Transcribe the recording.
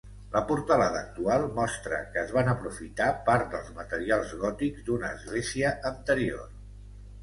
La portalada actual mostra que es van aprofitar part dels materials gòtics d'una església anterior.